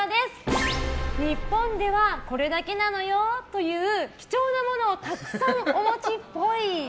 日本ではこれだけなのよぉという貴重なものをたくさんお持ちっぽい。